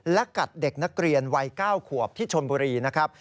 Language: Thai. และกัดเด็กนักเรียนวัย๙ขวบที่ชนบุรีนะครับ